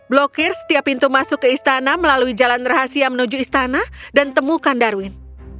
blokir setiap pintu masuk ke istana melalui jalan rahasia menuju istana dan temukan darwin